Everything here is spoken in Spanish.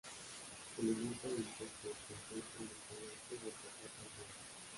Se alimenta de insectos que encuentra en el follaje o que atrapa al vuelo.